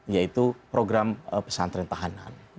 yaitu program pesantren tahanan